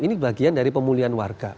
ini bagian dari pemulihan warga